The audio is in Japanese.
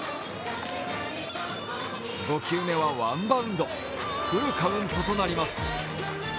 ５球目はワンバウンド、フルカウントとなります。